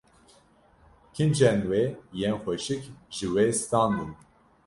Kincên wê yên xweşik ji wê standin